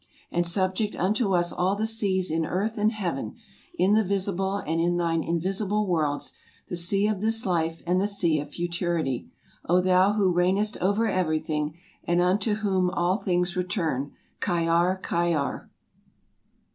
And subject unto us all the seas in earth and heaven, in the visible and in thine invisible worlds, the sea of this life, and the sea of futurity. O thou who reignest over everything, and unto whom all things return, Khyar! Khyar!